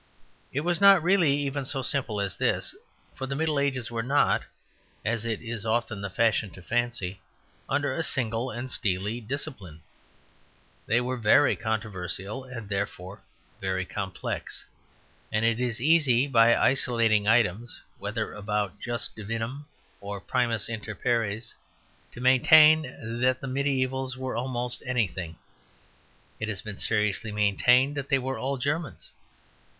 It was not really even so simple as this; for the Middle Ages were not, as it is often the fashion to fancy, under a single and steely discipline. They were very controversial and therefore very complex; and it is easy, by isolating items whether about jus divinum or primus inter pares, to maintain that the mediævals were almost anything; it has been seriously maintained that they were all Germans.